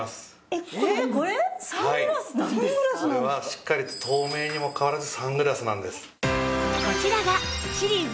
しっかりと透明にもかかわらずサングラスなんです。